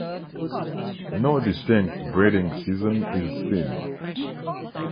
No distinct breeding season is seen.